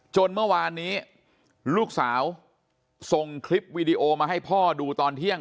จนเมื่อวานนี้ลูกสาวส่งคลิปวีดีโอมาให้พ่อดูตอนเที่ยง